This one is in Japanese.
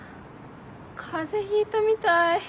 風邪ひいたみたい。